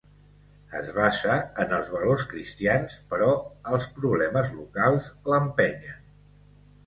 Es basa en els valors cristians però els problemes locals l'empenyen.